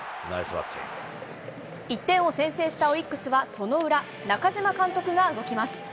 １点を先制したオリックスはその裏、なかじま監督が動きます。